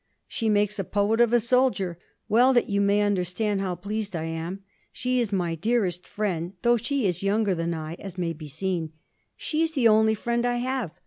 'She makes a poet of a soldier. Well, that you may understand how pleased I am, she is my dearest friend, though she is younger than I, as may be seen; she is the only friend I have.